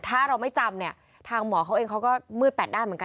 ถ้าเราไม่จำเนี่ยทางหมอเขาเองเขาก็มืดแปดด้านเหมือนกัน